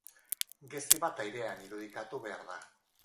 Gezi bat airean irudikatu behar da.